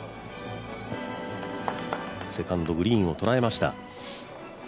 セカンド、グリーンを捉えました。